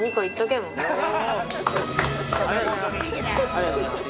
ありがとうございます。